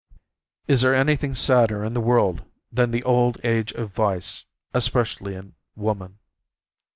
Is there anything sadder in the world than the old age of vice, especially in woman?